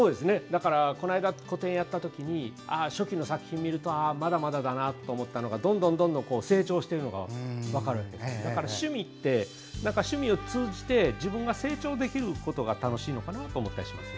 この間、個展やった時に初期の作品を見るとまだまだだなと思ったのがどんどん成長しているのが分かるので趣味って趣味を通じて自分が成長できることが楽しいのかなと思ったりします。